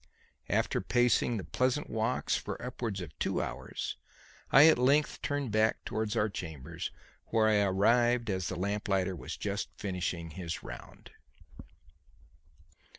After pacing the pleasant walks for upwards of two hours, I at length turned back towards our chambers, where I arrived as the lamp lighter was just finishing his round.